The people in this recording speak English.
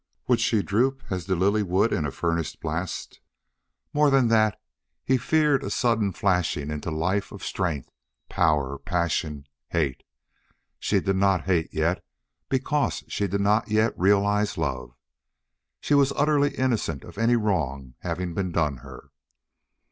Would she droop as the lily would in a furnace blast? More than that, he feared a sudden flashing into life of strength, power, passion, hate. She did not hate yet because she did not yet realize love. She was utterly innocent of any wrong having been done her.